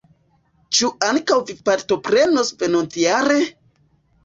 Ĉu ankaŭ vi partoprenos venontjare?